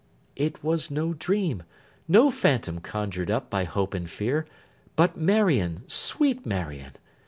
It was no dream, no phantom conjured up by hope and fear, but Marion, sweet Marion!